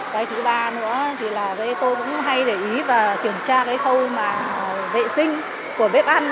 cái thứ ba nữa là tôi cũng hay để ý và kiểm tra khâu vệ sinh của bếp ăn